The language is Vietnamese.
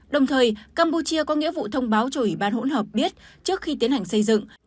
đồng thời campuchia có nghĩa vụ thông báo cho ủy ban hỗn hợp biết trước khi tiến hành xây dựng